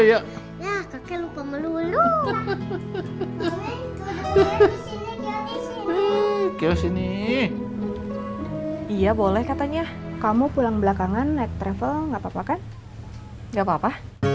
ya boleh katanya kamu pulang belakangan naik travel nggak papa kan nggak papa